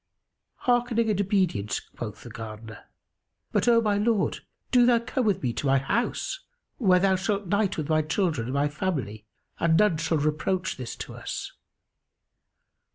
"Hearkening and obedience," quoth the Gardener; "but, O my lord, do thou come with me to my house, where thou shalt night with my children and my family and none shall reproach this to us."